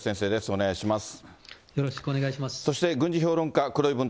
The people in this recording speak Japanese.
お願いします。